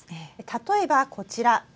例えば、こちら。